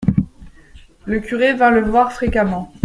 Le curé vint le voir fréquemment.